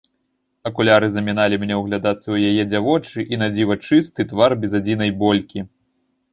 Акуляры заміналі мне ўглядацца ў яе дзявочы і надзіва чысты твар без адзінай болькі.